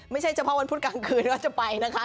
ไม่ใช่เฉพาะวันพุธกลางคืนก็จะไปนะคะ